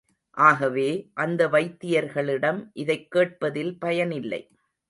ஆகவே, அந்த வைத்தியர்களிடம் இதைக் கேட்பதில் பயனில்லை.